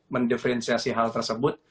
mendiferensiasi hal tersebut